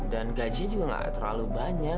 dan gaji juga nggak terlalu banyak